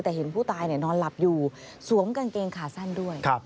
แต่เห็นผู้ตายนอนหลับอยู่สวมกางเกงขาสั้นด้วย